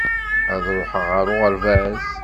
Ad ruḥeɣ ɣer uɣerbaz.